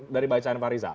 dari bacaan pak rizal